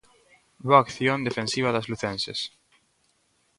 Boa acción defensiva das lucenses.